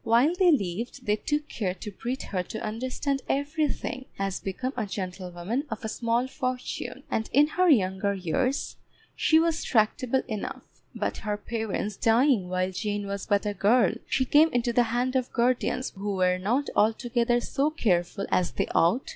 While they lived they took care to breed her to understand everything as became a gentlewoman of a small fortune, and in her younger years she was tractable enough; but her parents dying while Jane was but a girl, she came into the hand of guardians who were not altogether so careful as they ought.